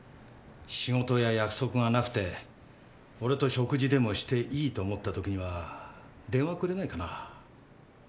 仕事や約束がなくて俺と食事でもしていいと思った時には電話くれないかな。